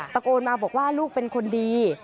ตะโกนมาบอกว่าลูกเป็นคนดี